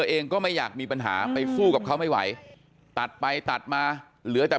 เองก็ไม่อยากมีปัญหาไปสู้กับเขาไม่ไหวตัดไปตัดมาเหลือแต่